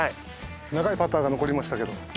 長いパターが残りましたけど。